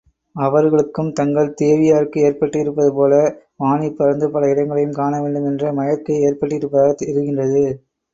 அவர்களுக்கும் தங்கள் தேவியாருக்கு ஏற்பட்டிருப்பது போலவே வானிற்பறந்து பல இடங்களையும் காணவேண்டும் என்ற மயற்கை ஏற்பட்டிருப்பதாகத் தெரிகின்றது.